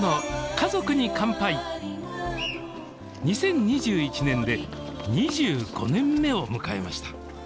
２０２１年で２５年目を迎えました